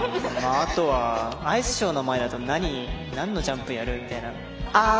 アイスショーの前だとなんのジャンプやる？みたいな。